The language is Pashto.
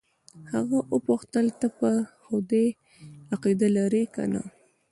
هغه وپوښتل ته پر خدای عقیده لرې که نه.